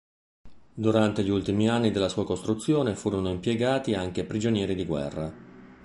Durante gli ultimi anni della sua costruzione furono impiegati anche prigionieri di guerra.